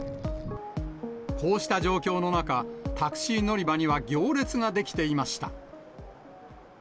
こうした状況の中、タクシー乗り場には行列が出来ていました。